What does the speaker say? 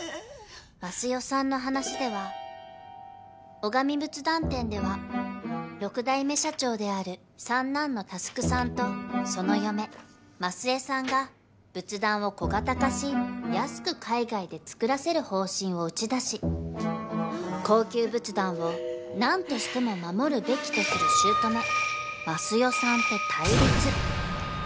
［益代さんの話では尾上仏壇店では６代目社長である三男の匡さんとその嫁満寿絵さんが仏壇を小型化し安く海外で作らせる方針を打ち出し高級仏壇を何としても守るべきとする姑益代さんと対立］